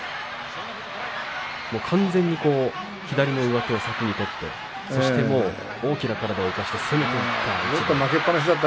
完全に左の上手を先に取ってそして大きな体を生かして攻めていきました。